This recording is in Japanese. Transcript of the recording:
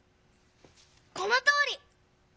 このとおり！